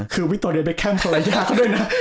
คือวิตูรเดย์เบ็ดแคมป์ธรรยาก็ด้วยนะ